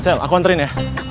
sel aku anterin ya